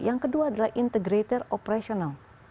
yang kedua adalah integrator operational